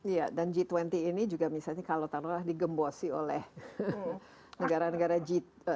iya dan g dua puluh ini juga misalnya kalau tak salah digembosi oleh negara negara g tujuh